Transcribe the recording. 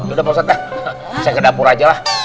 udah pak ustadz ya saya ke dapur aja lah